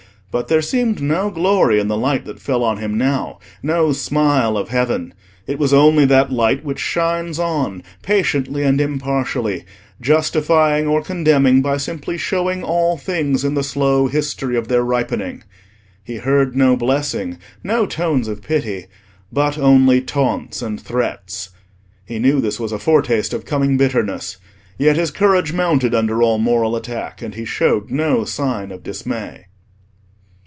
But there seemed no glory in the light that fell on him now, no smile of heaven: it was only that light which shines on, patiently and impartially, justifying or condemning by simply showing all things in the slow history of their ripening. He heard no blessing, no tones of pity, but only taunts and threats. He knew this was a foretaste of coming bitterness; yet his courage mounted under all moral attack, and he showed no sign of dismay.